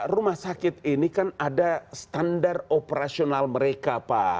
rumah sakit ini kan ada standar operasional mereka pak